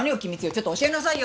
ちょっと教えなさいよ！